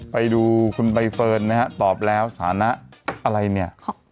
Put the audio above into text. ไปดูคุณใบเฟิร์นนะฮะตอบแล้วสถานะอะไรเนี่ย